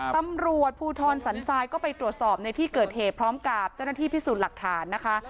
ตำรวจภูทรสันทรายก็ไปตรวจสอบในที่เกิดเหตุพร้อมกับเจ้าหน้าที่พิสูจน์หลักฐานนะคะ